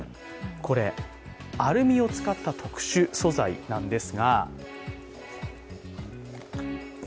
これ、アルミを使った特殊素材なんです。